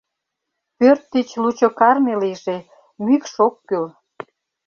Пӧрт тич лучо карме лийже, мӱкш ок кӱл.